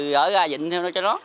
rồi gỡ ra dịnh theo nó cho nó